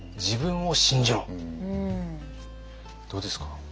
どうですか？